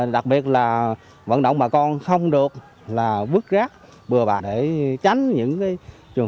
đặc biệt là vận động bà con không được là bước rác bừa bạc để tránh những trường hợp nó lây lan dịch bệnh